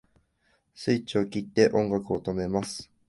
スイッチを切って音楽を止めます